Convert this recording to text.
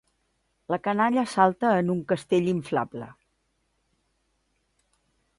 La canalla salta en un castell inflable.